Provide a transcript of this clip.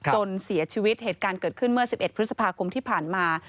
จนเสียชีวิตเหตุการณ์เกิดขึ้นเมื่อ๑๑พฤษภาคมที่ผ่านมา